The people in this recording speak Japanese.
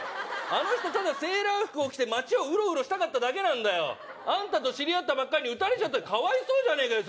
あの人ただセーラー服を着て町をウロウロしたかっただけなんだよあんたと知り合ったばっかりに撃たれちゃったよかわいそうじゃねえかよ